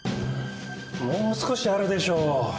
もう少しあるでしょう